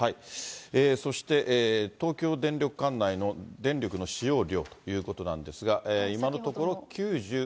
そして、東京電力管内の電力の使用量ということなんですが、今のところ、９１％。